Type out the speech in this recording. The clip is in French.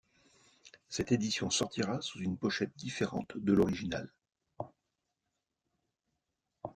Cette édition sortira sous une pochette différente de l'originale.